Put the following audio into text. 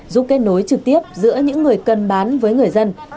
giúp kết nối trực tiếp giữa những người cần bán với người dân